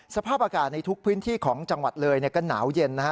สภาพอากาศในทุกพื้นที่ของจังหวัดเลยก็หนาวเย็นนะฮะ